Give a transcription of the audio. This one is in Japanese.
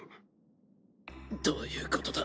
どういうことだ？